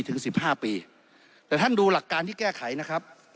ถึงสิบห้าปีแต่ท่านดูหลักการที่แก้ไขนะครับ